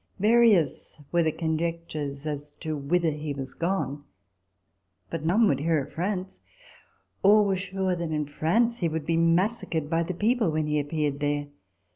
" Various were the conjectures as to whither he was gone ; but none would hear of France. All were sure that in France he would be massacred by the people, when he appeared there.